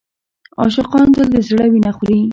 عاشقان تل د زړه وینه خوري.